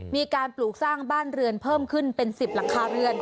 มีการปลูกสร้างบ้านเรือนเพิ่มขึ้นเป็นสิบราคาเรือน